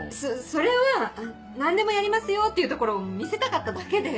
それは「何でもやりますよ」っていうところを見せたかっただけで。